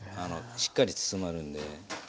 しっかり包まるんで。